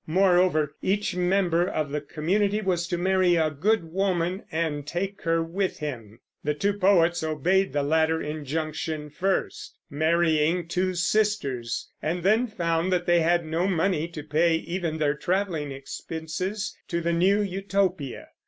Moreover, each member of the community was to marry a good woman, and take her with him. The two poets obeyed the latter injunction first, marrying two sisters, and then found that they had no money to pay even their traveling expenses to the new Utopia.